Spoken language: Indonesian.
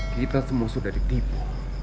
kita semua sudah ditipu